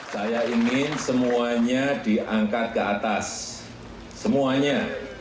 saya ingin semuanya diangkat ke atas semuanya